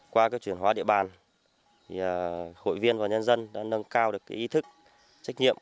qua chuyển hóa địa bàn hội viên và nhân dân đã nâng cao được ý thức trách nhiệm